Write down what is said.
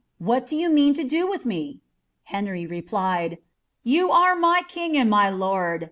What do you mean to do with me f" Henry replied, " Y« M my king and my lurd.